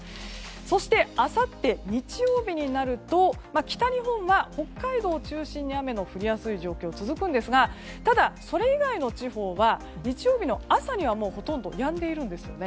そして、あさって日曜日になると北日本は北海道を中心に雨が降りやすい状況が続くんですがただ、それ以外の地方は日曜日の朝にはもうほとんどやんでいるんです。